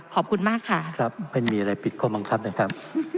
ขอบคุณมากค่ะครับไม่มีอะไรปิดข้อบังคับนะครับ